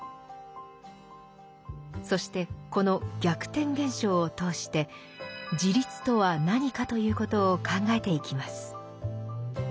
そしてこの逆転現象を通して「自立」とは何かということを考えていきます。